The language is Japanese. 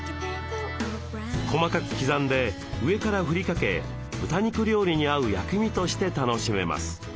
細かく刻んで上から振りかけ豚肉料理に合う薬味として楽しめます。